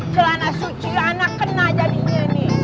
celana suci anak kena jadinya ini